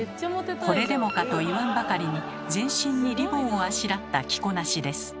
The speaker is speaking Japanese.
これでもかと言わんばかりに全身にリボンをあしらった着こなしです。